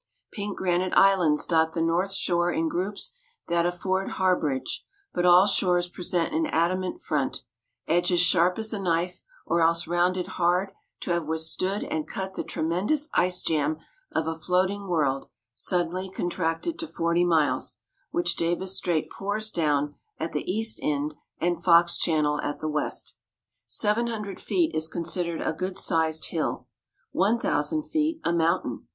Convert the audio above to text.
Pink granite islands dot the north shore in groups that afford harbourage, but all shores present an adamant front, edges sharp as a knife or else rounded hard to have withstood and cut the tremendous ice jam of a floating world suddenly contracted to forty miles, which Davis Strait pours down at the east end and Fox Channel at the west. Seven hundred feet is considered a good sized hill; one thousand feet, a mountain.